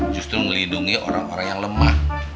justru melindungi orang orang yang lemah